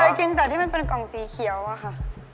เคยกินจากที่มันเป็นกล่องสีเขียวอะค่ะ